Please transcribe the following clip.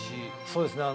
そうですね